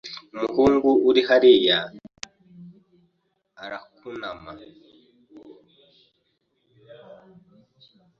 Umuhungu uri hariya arakunama.